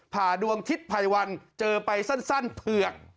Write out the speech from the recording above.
ผ่าดวงทิศภัยวันเจอไปสั้นเผือก